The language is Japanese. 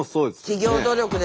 企業努力です。